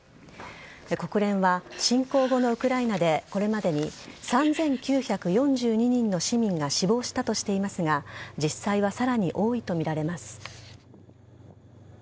国連は侵攻後のウクライナでこれまでに３９４２人の市民が死亡したとしていますが実際はさらに多いとみられます。